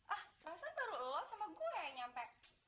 ah bangsa baru sama gue nyampe